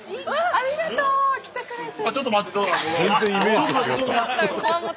ありがとう！来てくれて。